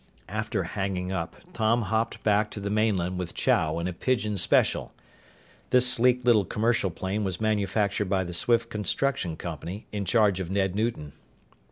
After hanging up, Tom hopped back to the mainland with Chow in a Pigeon Special. This sleek little commercial plane was manufactured by the Swift Construction Company in charge of Ned Newton.